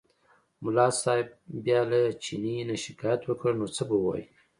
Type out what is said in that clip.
ملا صاحب بیا له چیني نه شکایت وکړ نو څه به ووایي.